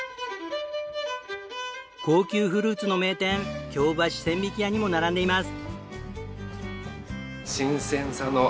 高級フルーツの名店京橋千疋屋にも並んでいます。